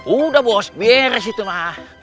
udah bos beres itu mah